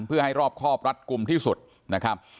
เพื่อให้รอบครอบรัดกลุ่มที่สุดนะครับ